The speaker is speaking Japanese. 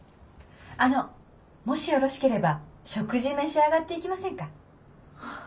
あのもしよろしければ食事召し上がっていきませんか？